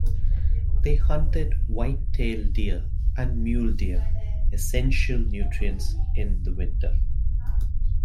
They hunted whitetail deer and mule deer, essential nutrients in the winter.